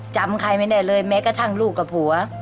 จำใครไม่ได้เลยแม้กระทั่งลูกกับผัว